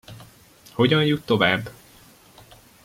Hogyan jut tovább?